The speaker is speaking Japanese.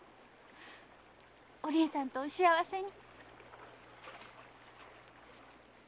お凛さんとお幸せに。